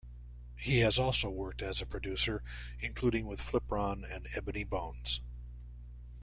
He has also worked as a producer, including with Flipron and Ebony Bones.